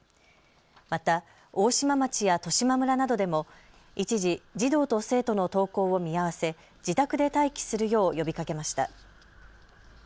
また大島町や利島村などでも一時、児童と生徒の登校を見合わせ自宅で待機するよう呼びかけました。